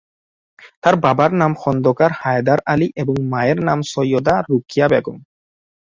তার বাবার নাম খন্দকার হায়দার আলী এবং মায়ের নাম সৈয়দা রোকেয়া বেগম।